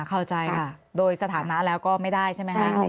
เข้าใจค่ะโดยสถานะแล้วก็ไม่ได้ใช่ไหมคะ